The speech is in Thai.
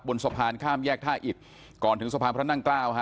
บนสะพานข้ามแยกท่าอิตก่อนถึงสะพานพระนั่งเกล้าฮะ